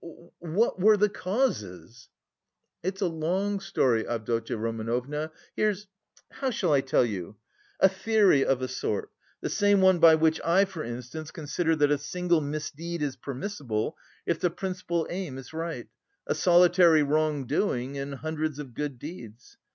"What... were the causes?" "It's a long story, Avdotya Romanovna. Here's... how shall I tell you? A theory of a sort, the same one by which I for instance consider that a single misdeed is permissible if the principal aim is right, a solitary wrongdoing and hundreds of good deeds!